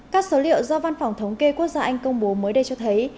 các số liệu do văn phòng thống kê quốc gia anh công bố mới đây cho thấy